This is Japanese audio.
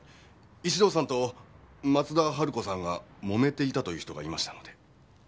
石堂さんと松田春子さんがもめていたという人がいましたので。